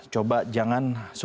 coba jangan sungguh